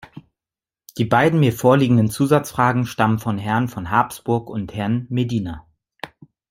Die beiden mir vorliegenden Zusatzfragen stammen von Herrn von Habsburg und Herrn Medina.